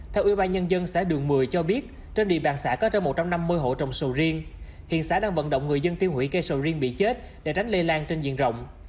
theo ubnd xã đường mười cho biết trên địa bàn xã có trên một trăm năm mươi hộ trồng sầu riêng hiện xã đang vận động người dân tiêu hủy cây sầu riêng bị chết để tránh lây lan trên diện rộng